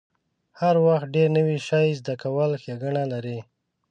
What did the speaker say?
هر وخت ډیر نوی شی زده کول ښېګڼه لري.